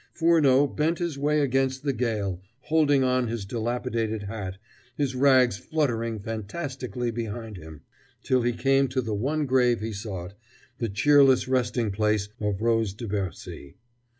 Furneaux bent his way against the gale, holding on his dilapidated hat, his rags fluttering fantastically behind him, till he came to the one grave he sought the cheerless resting place of Rose de Bercy.